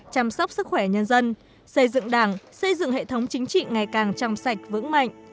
chăm sóc sức khỏe nhân dân xây dựng đảng xây dựng hệ thống chính trị ngày càng trong sạch vững mạnh